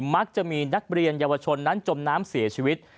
มักจะมีนักเรียนเยาวชนนั้นจมน้ำเสียชีวิต